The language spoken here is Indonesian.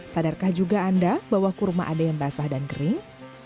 sadarkah juga anda bahwa kurma ada yang basah dan kering